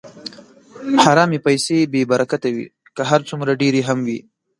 حرامې پیسې بېبرکته وي، که هر څومره ډېرې هم وي.